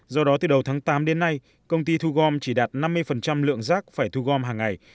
do đó từ đầu tháng tám đến nay công ty thu gom chỉ đạt năm mươi lượng rác phải thu gom hàng ngày